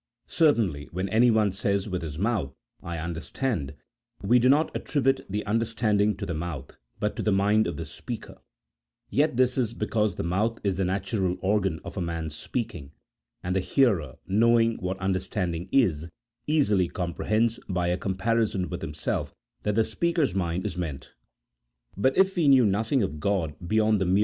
Certainly when anyone says with his mouth, " I under stand," we do not attribute the understanding to the mouth, but to the mind of the speaker ; yet this is because the mouth is the natural organ of a man speaking, and the hearer, knowing what understanding is, easily comprehends, by a comparison with himself, that the speaker's mind is meant ; but if we knew nothing of God beyond the mere CHAP.